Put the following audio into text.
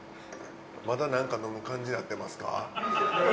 まだ何か飲む感じになってますか？